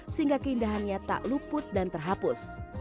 sehingga keindahannya tak luput dan terhapus